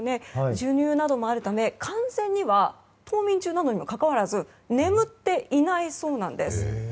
授乳などもあるため、完全には冬眠中なのにもかかわらず眠っていないそうなんです。